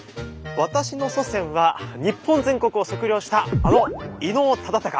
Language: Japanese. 私の祖先は日本全国を測量したあの伊能忠敬。